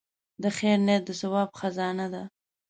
د خیر نیت د ثواب خزانه ده.